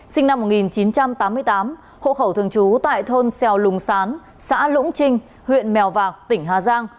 sinh năm một nghìn chín trăm tám mươi tám hộ khẩu thường trú tại thôn xèo lùng sán xã lũng trinh huyện mèo vạc tỉnh hà giang